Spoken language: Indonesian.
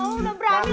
lu udah berani umur